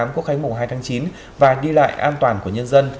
của khánh mùa hai tháng chín và đi lại an toàn của nhân dân